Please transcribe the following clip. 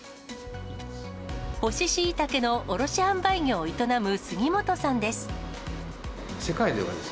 干ししいたけの卸販売業を営む杉本さんです。